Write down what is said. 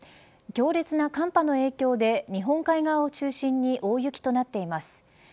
強烈な寒波の影響で日本海側を中心に大雪となっています。